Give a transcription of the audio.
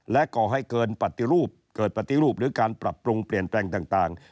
และก็ให้เกิดปฏิรูปหรือการปรับปรุงเปลี่ยนแปลงต่าง